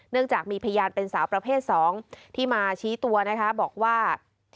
เนื่องจากมีพยานเป็นสาวประเภท๒ที่มาชี้ตัวบอกว่า